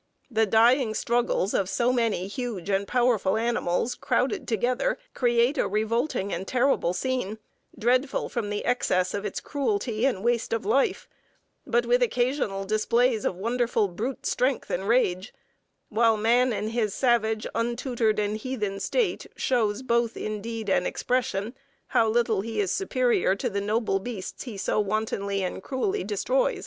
The dying struggles of so many huge and powerful animals crowded together create a revolting and terrible scene, dreadful from the excess of its cruelty and waste of life, but with occasional displays of wonderful brute strength and rage; while man in his savage, untutored, and heathen state shows both in deed and expression how little he is superior to the noble beasts he so wantonly and cruelly destroys."